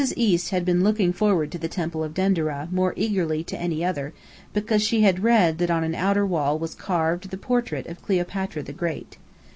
East had been looking forward to the temple of Denderah more eagerly than to any other, because she had read that on an outer wall was carved the portrait of Cleopatra the Great.